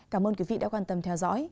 cảm ơn quý vị đã quan tâm theo dõi